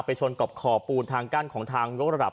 ไปชนกับขอปูนทางิ่งกล้านของทางโยกระดับ